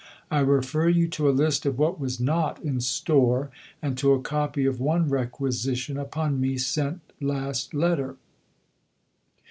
I refer you to a List of what was not in store, and to a copy of one requisition upon me sent last letter.